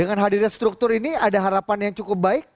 dengan hadirnya struktur ini ada harapan yang cukup baik